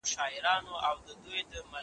یوازي لس تنه دي!